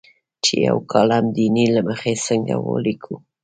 چې یو کالم د بڼې له مخې څنګه ولیکو.